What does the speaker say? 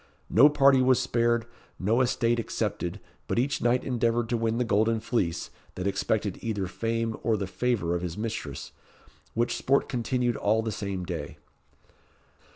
No party was spared, no estate excepted, but each knight endeavoured to win the golden fleece, that expected either fame or the favour of his mistress, which sport continued all the same day."